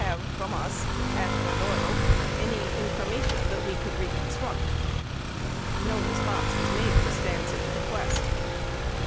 460 have from us (Ashland Oil) any information that we could recon struct." 86 No response was made to Stans' request.